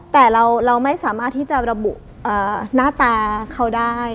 แต่เราไม่สามารถที่จะระบุหน้าตาเขาได้